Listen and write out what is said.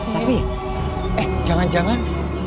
tapi eh jangan jangan